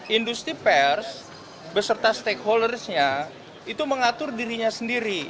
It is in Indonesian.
industri pers beserta stakeholdersnya itu mengatur dirinya sendiri